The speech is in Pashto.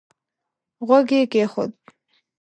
غوږ يې کېښود.